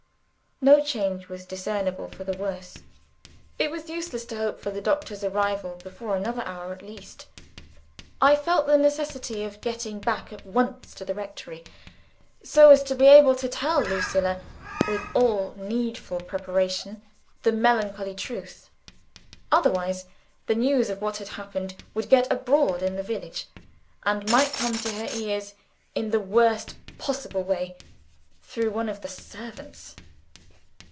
No change was discernible for the worse. It was useless to hope for the doctor's arrival, before another hour at least. I felt the necessity of getting back at once to the rectory, so as to be able to tell Lucilla (with all needful preparation) the melancholy truth. Otherwise, the news of what had happened would get abroad in the village, and might come to her ears, in the worst possible way, through one of the servants.